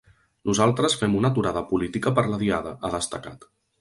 Nosaltres fem una aturada política per la diada, ha destacat.